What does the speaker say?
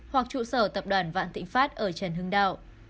hoặc trụ sở tập đoàn vạn thịnh pháp ở trần hưng đạo